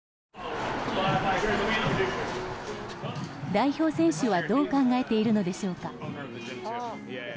代表選手はどう考えているのでしょうか。